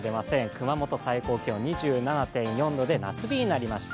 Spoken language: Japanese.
熊本が２７．４度で夏日になりました。